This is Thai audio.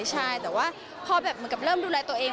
ใช่แต่ว่าพอเริ่มดูแลตัวเอง